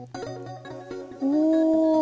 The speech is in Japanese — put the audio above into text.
うん。